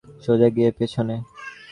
সোজা গিয়ে পিছনে।